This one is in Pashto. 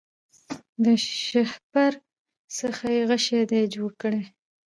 له شهپر څخه یې غشی دی جوړ کړی